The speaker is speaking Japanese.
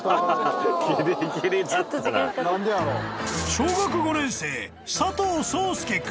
［小学５年生］